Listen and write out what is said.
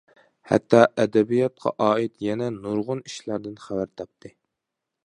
ھەتتا ئەدەبىياتقا ئائىت يەنە نۇرغۇن ئىشلاردىن خەۋەر تاپتى.